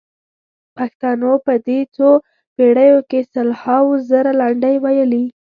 پښتنو په دې څو پېړیو کې سلهاوو زره لنډۍ ویلي.